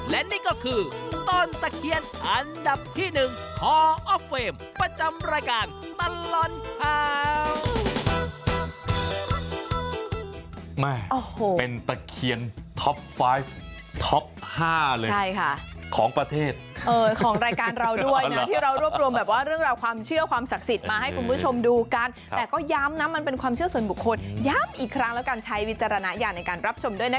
และนี่ก็คือต้นตะเคียนอันดับที่๑ออฟเฟรมประจำรายการตลอดข่าว